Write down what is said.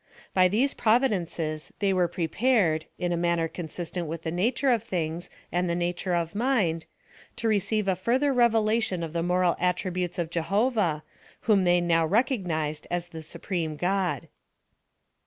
By these providences they were prepared, in a manner consistent with the nature of things and the nature of mind, to receive a further revelation of the moral attributes of Jehovah, whom they now recognised as the Supreme God.